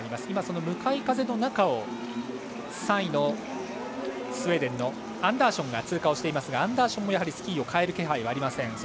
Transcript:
今、向かい風の中を３位のスウェーデンのアンダーションが通過をしましたがアンダーションもスキーをかえる気配はありません。